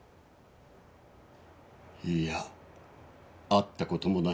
いいや会った事もない。